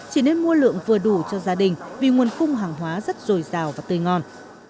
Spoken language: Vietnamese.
chỉ nên mua lượng vừa đủ cho gia đình vì nguồn cung hàng hóa rất dồi dào và tươi ngon